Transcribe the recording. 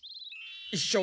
いっしょう